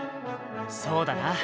そうだな。